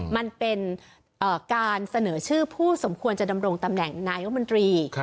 มันเป็นการเสนอชื่อผู้สมควรจะดำรงตำแหน่งนายมนตรี